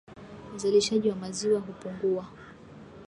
Uzalishaji wa maziwa hupungua